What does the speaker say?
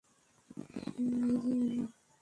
High, Anna.